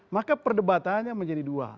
maka perdebatannya menjadi dua